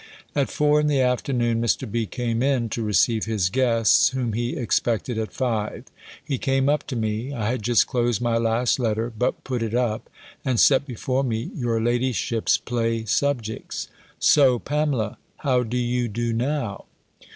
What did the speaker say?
At four in the afternoon Mr. B. came in to receive his guests, whom he expected at five. He came up to me. I had just closed my last letter; but put it up, and set before me your ladyship's play subjects. "So, Pamela! How do you do now?"